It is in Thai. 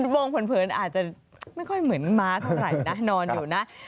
มองเผินอาจจะไม่ค่อยเหมือนม้าเท่าไหร่นะนอนอยู่นะ